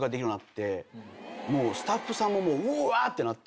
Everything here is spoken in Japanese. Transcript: もうスタッフさんもうわ！ってなって。